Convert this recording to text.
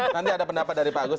nanti ada pendapat dari pak agus